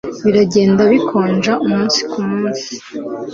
Biragenda bikonja umunsi kumunsi